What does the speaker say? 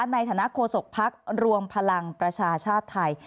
ในฐานะโฆษกภักดิ์รวมพลังประชาชาติไทย